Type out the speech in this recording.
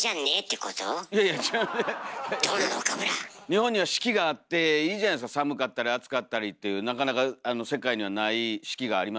日本には四季があっていいじゃないですか寒かったり暑かったりっていうなかなか世界にはない四季がありますよ。